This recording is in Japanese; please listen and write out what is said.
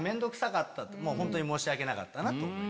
本当に申し訳なかったなと。